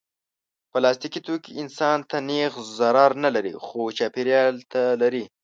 پلاستيکي توکي انسان ته نېغ ضرر نه لري، خو چاپېریال ته لري.